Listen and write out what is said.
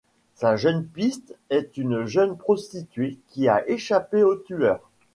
Sa seule piste est une jeune prostituée qui a échappé au tueur.